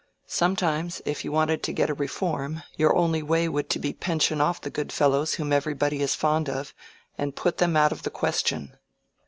Sometimes, if you wanted to get a reform, your only way would be to pension off the good fellows whom everybody is fond of, and put them out of the question."